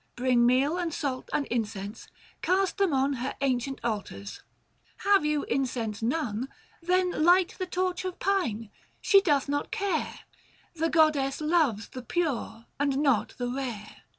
Bring meal and salt and incense, cast them on Her ancient altars ; have you incense none Then light the torch of pine, she doth not care ; The goddess loves the pure and not the rare.